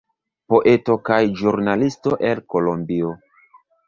Poeto kaj ĵurnalisto el Kolombio.